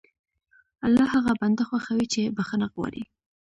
الله هغه بنده خوښوي چې بښنه غواړي.